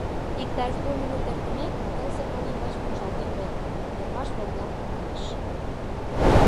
Иктаж лу минут эртымек, тылзе пыл йымач мунчалтен лекте — йырваш волгалт кайыш.